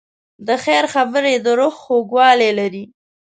د خیر خبرې د روح خوږوالی لري.